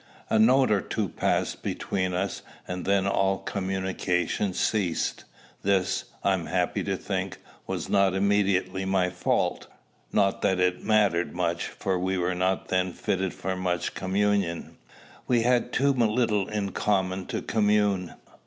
A note or two passed between us, and then all communication ceased. This, I am happy to think, was not immediately my fault: not that it mattered much, for we were not then fitted for much communion; we had too little in common to commune.